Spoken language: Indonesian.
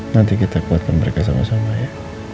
nanti kita kuatkan mereka sama sama ya